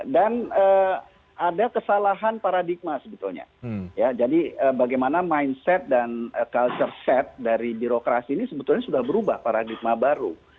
dan ada kesalahan paradigma sebetulnya jadi bagaimana mindset dan culture set dari birokrasi ini sebetulnya sudah berubah paradigma baru